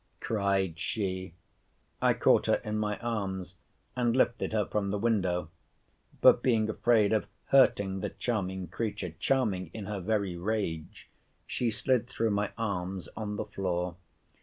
cried she. I caught her in my arms, and lifted her from the window. But being afraid of hurting the charming creature, (charming in her very rage,) she slid through my arms on the floor.